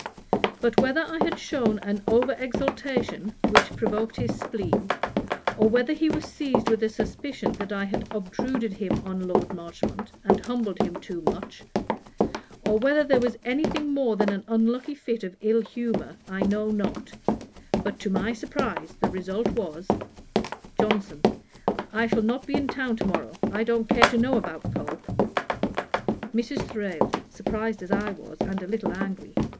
But whether I had shewn an over exultation, which provoked his spleen; or whether he was seized with a suspicion that I had obtruded him on Lord Marchmont, and humbled him too much; or whether there was any thing more than an unlucky fit of ill humour, I know not; but, to my surprize, the result was, JOHNSON. 'I shall not be in town to morrow. I don't care to know about Pope.' MRS. THRALE: (surprized as I was, and a little angry.)